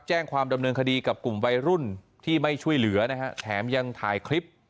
แจ้งความดำเนินคดีกับกลุ่มวัยรุ่นที่ไม่ช่วยเหลือนะฮะแถมยังถ่ายคลิป